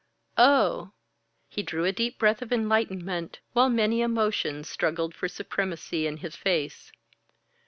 "Oh!" He drew a deep breath of enlightenment, while many emotions struggled for supremacy in his face.